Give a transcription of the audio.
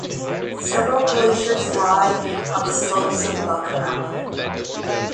Several glaciers lie on the slopes of Buck Mountain.